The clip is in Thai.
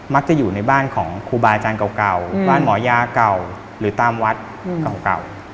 อยู่ในบ้านของครูบาอาจารย์เก่าบ้านหมอยาเก่าหรือตามวัดเก่า